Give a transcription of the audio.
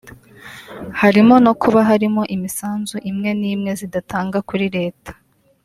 harimo no kuba hari imisanzu imwe n’imwe zidatanga kuri leta